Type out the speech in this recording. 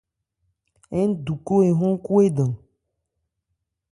Ńdu kô ehɔ́n Khwédan.